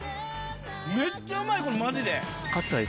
めっちゃうまい、これ、まじで。